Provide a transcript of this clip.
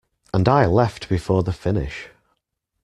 And I left before the finish.